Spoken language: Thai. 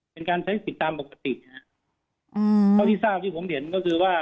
เป็นการใช้สิทธิ์ตามปกตินะฮะอืมเท่าที่ทราบที่ผมเห็นก็คือว่า